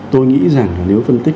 tôi nghĩ rằng là nếu phân tích